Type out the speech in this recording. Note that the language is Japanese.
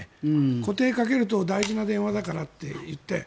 固定にかけると大事な電話だからといって。